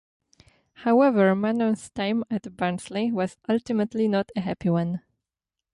However Mannone's time at Barnsley was ultimately not a happy one.